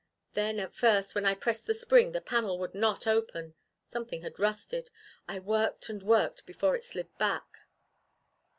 Then at first, when I pressed the spring, the panel would not open. Something had rusted. I worked and worked before it slid, back."